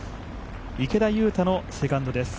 池田勇太のセカンドです。